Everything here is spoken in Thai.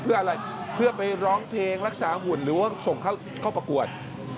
เพื่ออะไรเพื่อไปร้องเพลงรักษาหุ่นหรือว่าส่งเข้าประกวด